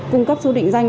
cung cấp số định danh